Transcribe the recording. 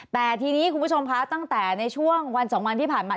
แต่ทีนี้คุณผู้ชมคะตั้งแต่ในช่วงวัน๒วันที่ผ่านมา